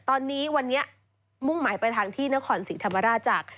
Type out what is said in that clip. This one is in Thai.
ตอนนี้วันนี้มุ่งหมายไปทางที่นครศรีธรรมราชจาก